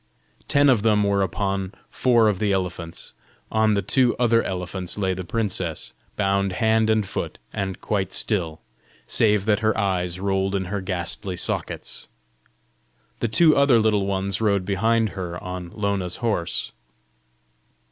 Ten of them were upon four of the elephants; on the two other elephants lay the princess, bound hand and foot, and quite still, save that her eyes rolled in their ghastly sockets. The two other Little Ones rode behind her on Lona's horse.